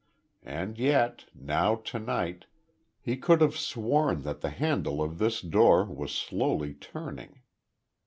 And yet, now to night, he could have sworn that the handle of this door was slowly turning.